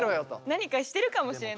何かしてるかもしれない。